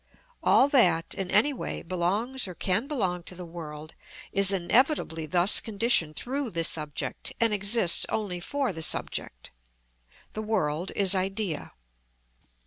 All that in any way belongs or can belong to the world is inevitably thus conditioned through the subject, and exists only for the subject. The world is idea.